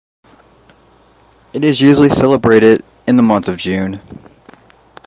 It is usually celebrated in the month of June.